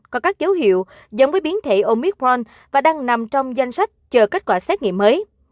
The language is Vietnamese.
có các dấu hiệu giống với biến thể omicron và đang nằm trong danh sách chờ kết quả xét nghiệm mới